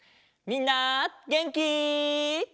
みんなげんき？